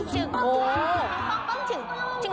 พากังวลบัดประอาฆนิก